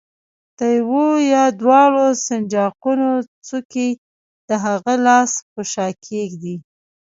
د یوه یا دواړو سنجاقونو څوکې د هغه لاس په شا کېږدئ.